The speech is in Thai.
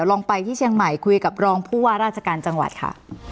ลองไปที่เชียงใหม่คุยกับรองผู้ว่าราชการจังหวัดค่ะ